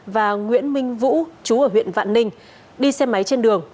và nguyễn minh vũ chú ở huyện vạn ninh đi xe máy trên đường